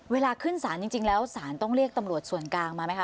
เวลาขึ้นสารจริงแล้วศาลต้องเรียกตำรวจส่วนกลางมาไหมคะ